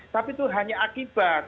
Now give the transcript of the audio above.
tapi itu hanya akibat